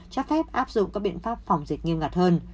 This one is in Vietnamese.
cho phép áp dụng các biện pháp phòng dịch nghiêm ngặt hơn